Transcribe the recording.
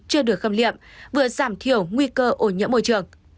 chưa được khâm liệm vừa giảm thiểu nguy cơ ổn nhiễm môi trường